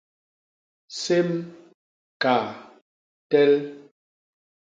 Sém, kaa, tel.